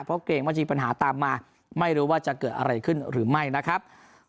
เพราะเกรงว่าจะมีปัญหาตามมาไม่รู้ว่าจะเกิดอะไรขึ้นหรือไม่นะครับ